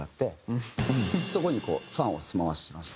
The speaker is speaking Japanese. そこにこうファンを住まわせてました。